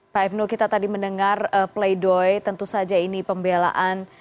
pak hipno kita tadi mendengar pleidoy tentu saja ini pembelaan